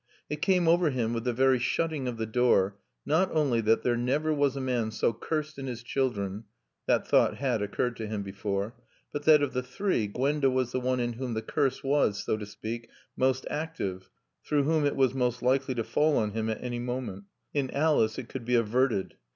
It came over him with the very shutting of the door not only that there never was a man so cursed in his children (that thought had occurred to him before) but that, of the three, Gwenda was the one in whom the curse was, so to speak, most active, through whom it was most likely to fall on him at any moment. In Alice it could be averted.